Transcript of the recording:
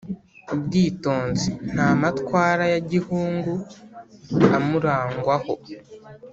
ubwitonzi nta matwara ya gihungu amurangwaho.